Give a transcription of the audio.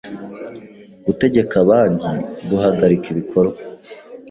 Gutegeka banki guhagarika ibikorwa